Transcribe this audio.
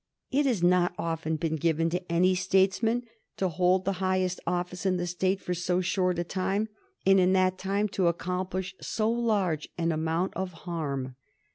It has not often been given to any statesman to hold the highest office in the state for so short a time, and in that time to accomplish so large an amount of harm.